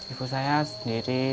ibu saya sendiri